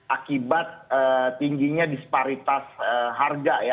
akibat tingginya disparitas harga ya